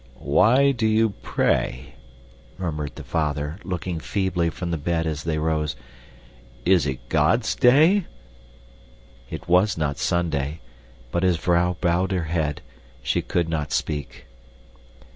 "Why do you pray?" murmured the father, looking feebly from the bed as they rose. "Is it God's day?" It was not Sunday; but his vrouw bowed her head she could not speak.